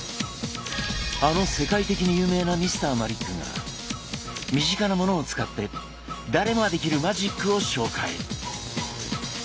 あの世界的に有名なＭｒ．マリックが身近なものを使って誰もができるマジックを紹介。